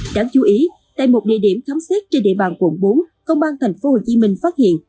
đáng chú ý tại một địa điểm khám xét trên địa bàn quận bốn công an tp hcm phát hiện